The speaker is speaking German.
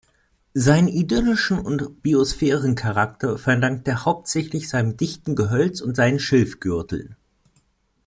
Seinen idyllischen und Biosphären-Charakter verdankt er hauptsächlich seinem dichten Gehölz und seinen Schilfgürteln.